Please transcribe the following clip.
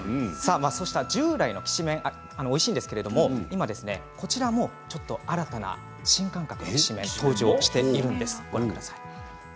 従来のきしめんおいしいんですけれども今こちらもちょっと新たな新感覚のきしめんが登場しているんです。